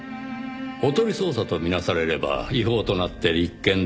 おとり捜査と見なされれば違法となって立件できない。